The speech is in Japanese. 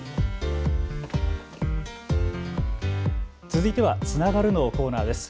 続いては、つながるのコーナーです。